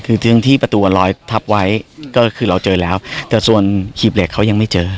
คือเรื่องที่ประตูอันร้อยทับไว้ก็คือเราเจอแล้วแต่ส่วนหีบเหล็กเขายังไม่เจอ